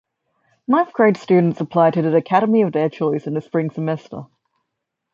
Ninth grade students apply to the academy of their choice in the spring semester.